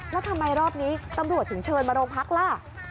แล้วทำไมรอบนี้ตำรวจถึงเชิญมาโรงพักล่ะ